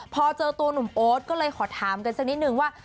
พอเจอตัวหนุ่มโอ๊ตก็เลยขอถามกันสักนิดนึงว่า